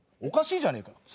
おかしいじゃねえか。